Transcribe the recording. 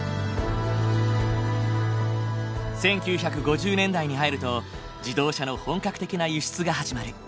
１９５０年代に入ると自動車の本格的な輸出が始まる。